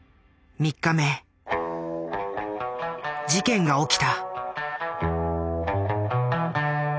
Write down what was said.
事件が起きた。